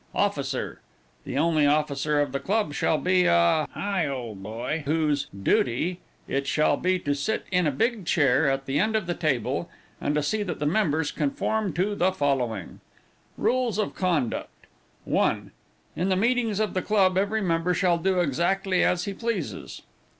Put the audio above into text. OFFICER. The only officer of the club shall be a Higholdboy, whose DUTY It shall be to sit in a big chair, at the end of the table, and to see that the members conform to the following RULES OF CONDUCT: 1. In the meetings of the club, every member shall do exactly as he pleases.